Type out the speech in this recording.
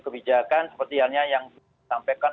kebijakan seperti yang disampaikan